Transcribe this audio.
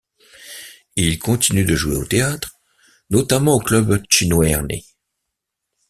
Il continue de jouer au théâtre, notamment au club Činoherní.